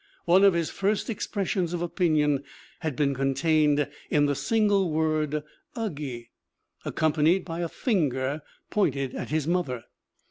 One of his first expressions of opinion had been contained in the single word 'uggy/ accompanied by a finger pointed at his mother.